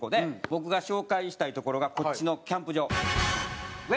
僕が紹介したい所がこっちのキャンプ場。